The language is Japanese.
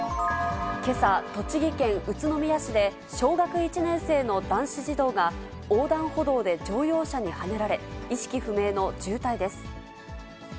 けさ、栃木県宇都宮市で、小学１年生の男子児童が、横断歩道で乗用車にはねられ、意識不明の重体です。